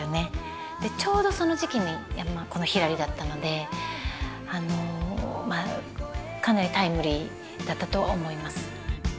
ちょうどその時期にこの「ひらり」だったのでかなりタイムリーだったと思います。